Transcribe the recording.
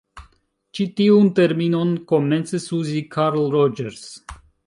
Ĉi tiun terminon komencis uzi Carl Rogers.